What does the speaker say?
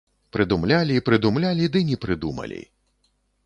Прыдумлялі, прыдумлялі ды не прыдумалі.